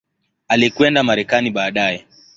Alikwenda Marekani baadaye.